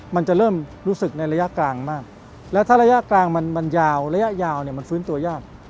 มันจะเริ่มรู้สึกในระยะกลางมากแล้วถ้าระยะกลางมันยาวระยะยาวเนี่ยมันฟื้นตัวยาก